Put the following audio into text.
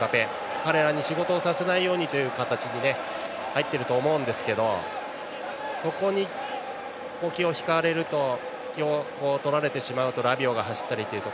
彼らに仕事をさせないようにという形で入っていると思うんですけどそこに気を引かれるとラビオが走ってくるという。